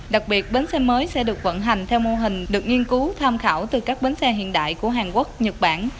đặc biệt bến xe mới sẽ được vận hành theo mô hình được nghiên cứu tham khảo từ các bến xe hiện đại của hàn quốc nhật bản